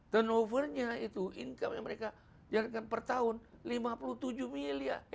turn over nya itu income yang mereka jadikan per tahun lima puluh tujuh miliar